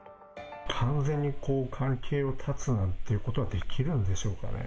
完全に関係を断つなんていうことはできるんでしょうかね。